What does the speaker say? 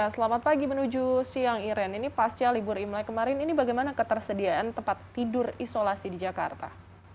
selamat pagi menuju siang iren ini pasca libur imlek kemarin ini bagaimana ketersediaan tempat tidur isolasi di jakarta